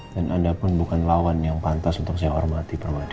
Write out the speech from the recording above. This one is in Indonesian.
dan anda pun bukan lawan yang pantas untuk saya hormati permadi